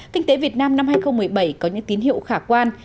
kinh tế việt nam năm hai nghìn một mươi bảy có những tín hiệu khả quan